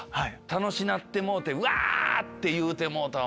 楽しなってもうてわ！って言うてもうた。